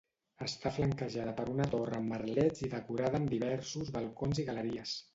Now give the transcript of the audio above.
Està flanquejada per una torre amb merlets i decorada amb diversos balcons i galeries.